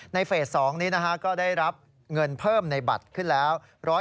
เฟส๒นี้ก็ได้รับเงินเพิ่มในบัตรขึ้นแล้ว